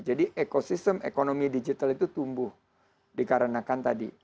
jadi ekosistem ekonomi digital itu tumbuh dikarenakan tadi